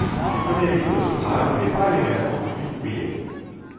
Elle connaît l’exode rural mais pas l'émergence de villes ouvrières.